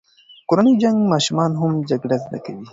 کورنی جنګ ماشومان هم جګړه زده کوي.